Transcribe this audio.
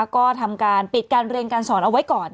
ก็ทำการปิดการเรียนการสอนเอาไว้ก่อน